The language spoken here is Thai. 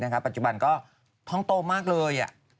ตอนที่ว่าข้องตัวมากเลย